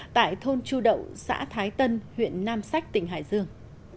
tại thôn chu đậu xã thái tân huyện nam sách tỉnh hải dương